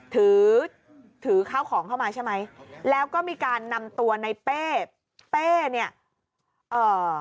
ถือถือข้าวของเข้ามาใช่ไหมแล้วก็มีการนำตัวในเป้เป้เนี่ยเอ่อ